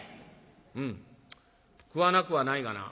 「うん食わなくはないがな」。